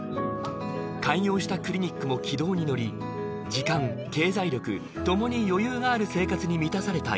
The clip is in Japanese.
開業したクリニックも軌道に乗り時間経済力ともに余裕がある生活に満たされた